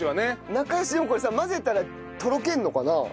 なかよしでもこれさ混ぜたらとろけるのかな？